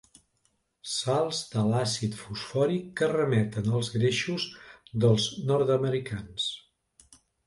Sals de l'àcid fosfòric que remeten als greixos dels nord-americans.